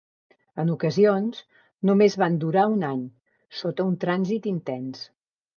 En ocasions, només van durar un any, sota un transit intens